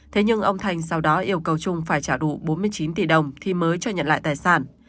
thế nhưng ông thành sau đó yêu cầu trung phải trả đủ bốn mươi chín tỷ đồng thì mới cho nhận lại tài sản